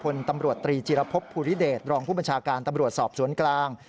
พร้อมด้วยพตอตรีจีฤพภพหู้ฤเดบหลองผู้บัญชาการตำรวจสอบสวนกล้าง